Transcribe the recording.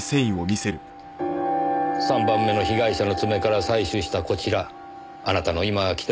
３番目の被害者の爪から採取したこちらあなたの今着